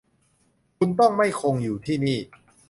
คุณต้องไม่คงอยู่ที่นี่